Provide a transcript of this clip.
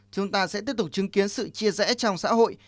chúng ta sẽ tiếp tục chứng kiến sự chia rẽ trong xã hội